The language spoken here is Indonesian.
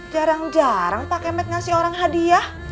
jarang jarang pak emet ngasih orang hadiah